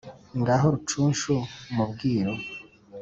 Ngaho ku Rucunshu mu Bwiru !